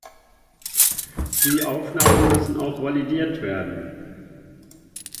Die Aufnahmen müssen auch validiert werden.